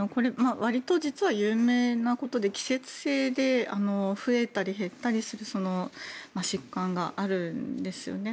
わりと実は有名なことで季節性で増えたり減ったりする疾患があるんですよね。